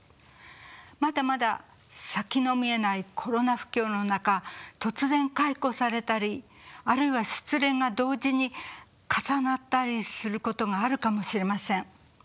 まだまだ先の見えないコロナ不況の中突然解雇されたりあるいは失恋が同時に重なったりすることがあるかもしれません。